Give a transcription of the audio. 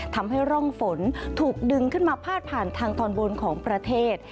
ทำให้ร่องฝนถูกดึงขึ้นมาพาดผ่านทางตอนบนของประเทศ